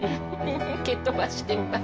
蹴飛ばしてみます。